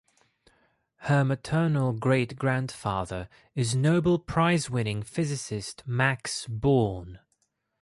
Her maternal great-grandfather is Nobel prize-winning physicist Max Born.